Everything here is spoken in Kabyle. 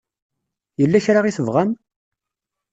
Yella kra i tebɣam?